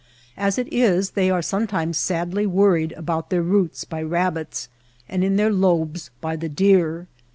As it is they are sometimes sadly worried about their roots by rabbits and in their lobes by the deer.